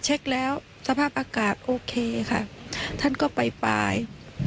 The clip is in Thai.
เช็คแล้วสภาพอากาศโอเคค่ะท่านก็ไปปลาย